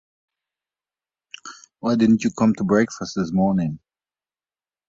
Why didn't you come to breakfast this morning?